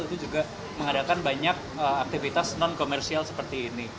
itu juga mengadakan banyak aktivitas non komersial seperti ini